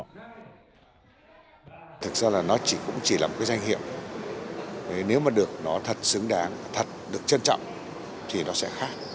thực ra là nó chỉ cũng chỉ là một cái danh hiệu nếu mà được nó thật xứng đáng thật được trân trọng thì nó sẽ khác